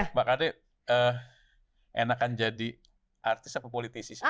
mbak kd enakan jadi artis apa politis